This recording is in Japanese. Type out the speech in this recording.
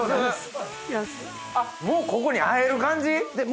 もうここにあえる感じ？